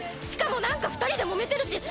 しかもなんか２人でもめてるし！